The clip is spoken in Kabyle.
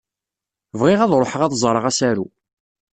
Bɣiɣ ad ṛuḥeɣ ad ẓṛeɣ asaru.